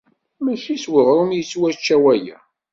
Mačči s uɣrum i yettwačča waya.